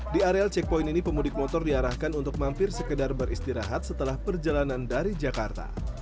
di area checkpoint ini pemudik motor diarahkan untuk mampir sekedar beristirahat setelah perjalanan dari jakarta